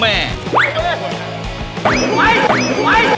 ใส่เค้านะ